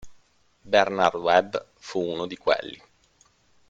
Bernard Webb fu uno di quelli.